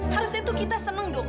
harusnya tuh kita seneng dong